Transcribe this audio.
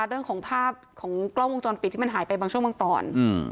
เรื่องของภาพของกล้องวงจรปิดที่มันหายไปบางช่วงบางตอน